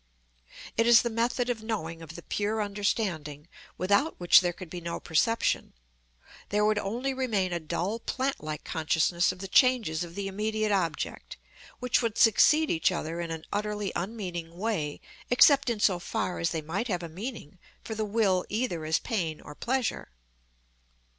It is the method of knowing of the pure understanding, without which there could be no perception; there would only remain a dull plant like consciousness of the changes of the immediate object, which would succeed each other in an utterly unmeaning way, except in so far as they might have a meaning for the will either as pain or pleasure.